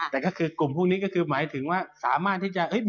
แต่ก็คือกลุ่มพวกนี้ก็คือหมายถึงว่าสามารถที่จะ